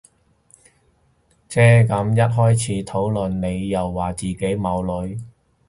唓咁一開始討論你又話自己冇女